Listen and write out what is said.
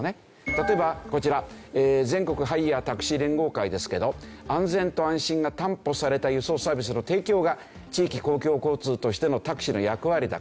例えばこちら全国ハイヤー・タクシー連合会ですけど安全と安心が担保された輸送サービスの提供が地域公共交通としてのタクシーの役割だから。